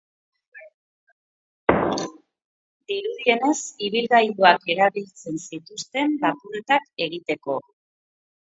Dirudienez, ibilgailuak erabiltzen zituzten lapurretak egiteko.